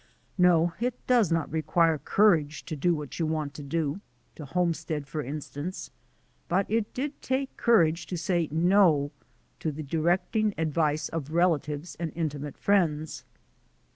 No, it does not require cour age to do what you want to do — to homestead, for instance — but it did take courage to say 'no' to the directing advice of relatives and intimate friends."